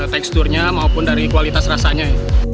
teksturnya maupun dari kualitas rasanya